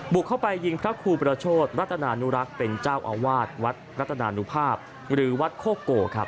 บุกเข้าไปยิงพระครูประโชธรัตนานุรักษ์เป็นเจ้าอาวาสวัดรัตนานุภาพหรือวัดโคโกครับ